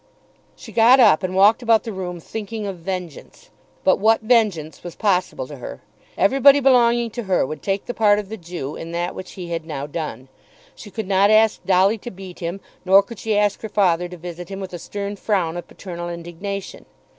She got up and walked about the room thinking of vengeance. But what vengeance was possible to her? Everybody belonging to her would take the part of the Jew in that which he had now done. She could not ask Dolly to beat him; nor could she ask her father to visit him with the stern frown of paternal indignation.